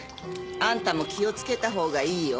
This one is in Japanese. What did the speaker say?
あんたも気をつけたほうがいいよ。